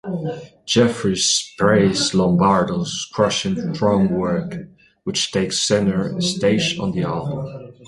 Jeffries praised Lombardo's "crushing drum work" which takes center stage on the album.